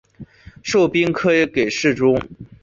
授兵科给事中。